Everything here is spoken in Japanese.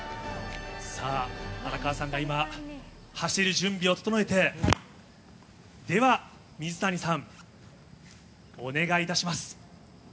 さあ、荒川さんが今、走る準備を整えて、では、水谷さん、お願いいたします。